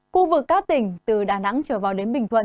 khu vực các tỉnh từ đà nẵng trở vào đến bình thuận